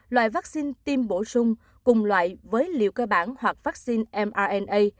loại vắc xin tiêm bổ sung cùng loại với liều cơ bản hoặc vắc xin mrna